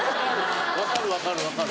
分かる分かる分かる。